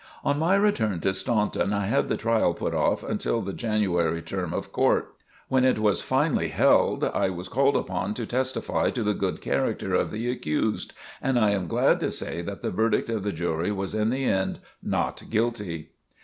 On my return to Staunton I had the trial put off until the January term of court. When it was finally held, I was called upon to testify to the good character of the accused and I am glad to say that the verdict of the jury was in the end: "not guilty."